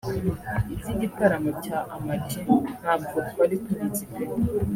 Iby’igitaramo cya Ama G ntabwo twari tubizi pe